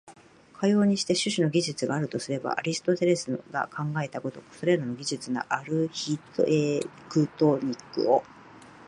かようにして種々の技術があるとすれば、アリストテレスが考えた如く、それらの技術のアルヒテクトニックを、